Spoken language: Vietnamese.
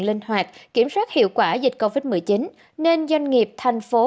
linh hoạt kiểm soát hiệu quả dịch covid một mươi chín nên doanh nghiệp thành phố